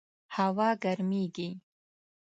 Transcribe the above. هوا ګرمیږي